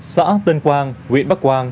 xã tân quang huyện bắc quang